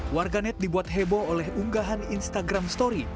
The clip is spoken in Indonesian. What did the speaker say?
warga net dibuat heboh oleh unggahan instagram story